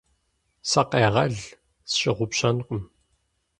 Сакъегъэл, сщыгъупщэнкъым.